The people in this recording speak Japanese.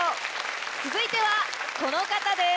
続いてはこの方です。